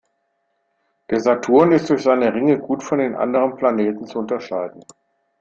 Der Saturn ist durch seine Ringe gut von den anderen Planeten zu unterscheiden.